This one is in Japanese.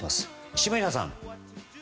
下平さん。